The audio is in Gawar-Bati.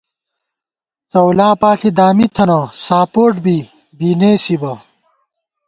څؤلا پاݪی دامی تھنہ، ساپوٹ بی، بی نېسِبہ